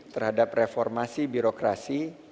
terhadap reformasi birokrasi